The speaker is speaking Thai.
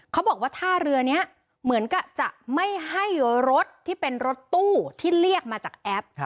เขาบอกว่าท่าเรือนี้เหมือนกับจะไม่ให้รถที่เป็นรถตู้ที่เรียกมาจากแอป